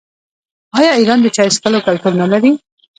آیا ایران د چای څښلو کلتور نلري؟